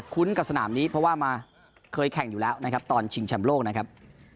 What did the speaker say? ุ้นกับสนามนี้เพราะว่ามาเคยแข่งอยู่แล้วนะครับตอนชิงแชมป์โลกนะครับ